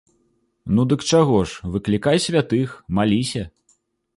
Ну, дык чаго ж, выклікай святых, маліся.